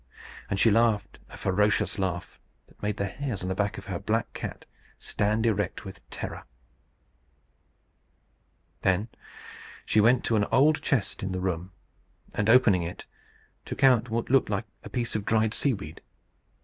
And she laughed a ferocious laugh, that made the hairs on the back of her black cat stand erect with terror. Then she went to an old chest in the room, and opening it, took out what looked like a piece of dried seaweed.